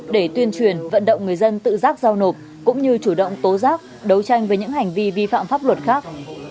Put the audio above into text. để tuyên truyền vận động người dân tự giác giao nộp cũng như chủ động tố giác đấu tranh với những hành vi vi phạm pháp luật khác